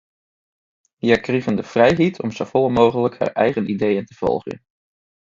Hja krigen de frijheid om safolle mooglik har eigen ideeën te folgjen.